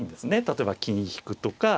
例えば金引くとか。